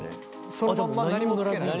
そのまんま何もつけない？